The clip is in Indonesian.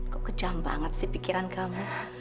kok kejam banget sih pikiran kamu